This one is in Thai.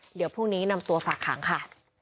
เดี๋ยวพรุ่งนี้นำตัวฝากขังค่ะ